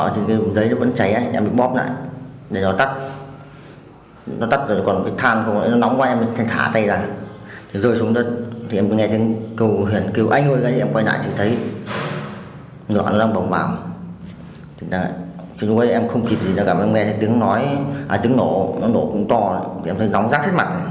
cái giấy nó vẫn cháy thì em được bóp lại để nó tắt